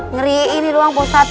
ngeriin ini doang pak ustadz